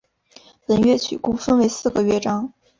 本乐曲共分为四个乐章。